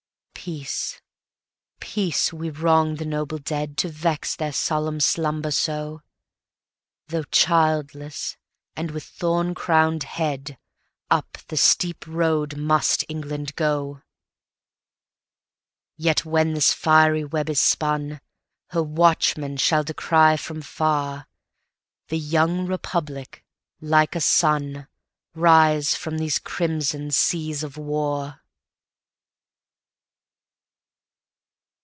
Peace, peace! we wrong the noble deadTo vex their solemn slumber so; Though childless, and with thorn crowned head, Up the steep road must England go, Yet when this fiery web is spun, Her watchmen shall descry from farThe young Republic like a sunRise from these crimson seas of war.